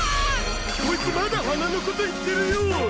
コイツまだ鼻のこと言ってるよ。